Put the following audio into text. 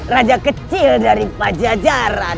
raja kecil dari pajajaran